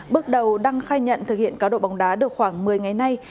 bước đầu đăng khai nhận thực hiện cáo độ bóng đá được khoảng một mươi ngày nay